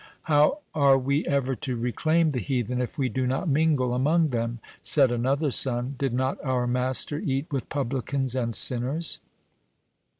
"How are we ever to reclaim the heathen, if we do not mingle among them?" said another son; "did not our Master eat with publicans and sinners?"